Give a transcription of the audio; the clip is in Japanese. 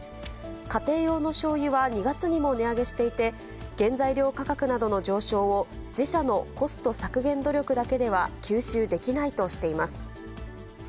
家庭用のしょうゆは２月にも値上げしていて、原材料価格などの上昇を、自社のコスト削減努力だけでは吸収できないとしています。